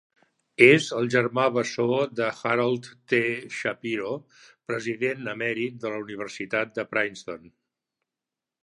És el germà bessó de Harold T. Shapiro, president emèrit de la Universitat de Princeton.